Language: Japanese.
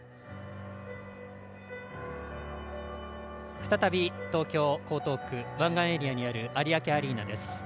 再び東京・江東区湾岸エリアにある有明アリーナです。